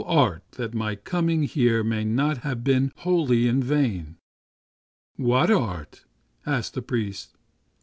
Teach me some small art, that my coming here may not have been wholly in vain." "What art?" asked the priest.